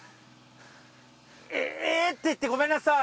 「えっ！？」って言ってごめんなさい。